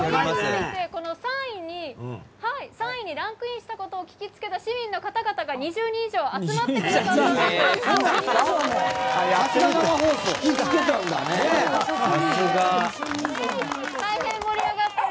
この３位にランクインしたことを聞きつけた市民の方々が２０人以上集まってきてくださいました。